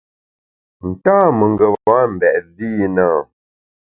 Nta mengeba mbèt vi i na?